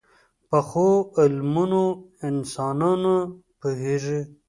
پخو علمونو انسانونه پوهيږي